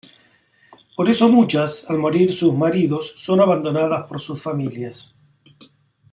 Por eso muchas —al morir sus maridos— son abandonadas por sus familias.